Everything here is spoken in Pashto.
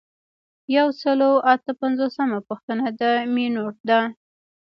یو سل او اته پنځوسمه پوښتنه د مینوټ ده.